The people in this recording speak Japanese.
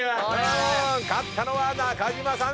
勝ったのは中島さん。